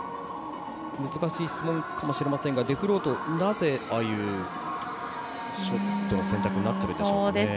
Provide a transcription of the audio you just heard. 難しい質問かもしれませんが、デフロートなぜ、ああいうショットの選択になっているんでしょうか。